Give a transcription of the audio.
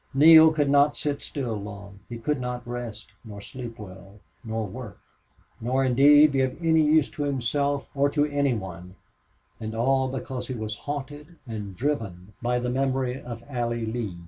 Neale could not sit still long; he could not rest, nor sleep well, nor work, nor indeed be of any use to himself or to any one, and all because he was haunted and driven by the memory of Allie Lee.